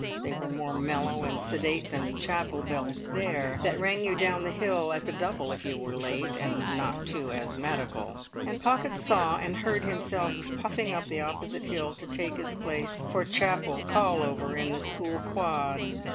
They were more mellow and sedate then the chapel bells there, that rang you down the hill at the double if you were late and not too asthmatical; and Pocket saw and heard himself puffing up the opposite hill to take his place for chapel call over in the school quad.